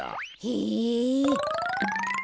へえ。